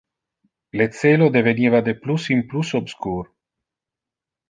Le celo deveniva de plus in plus obscur.